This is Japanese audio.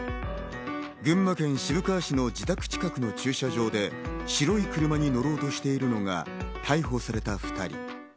群馬県渋川市の自宅近くの駐車場で、白い車に乗ろうとしているのが逮捕された２人。